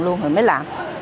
luôn rồi mới làm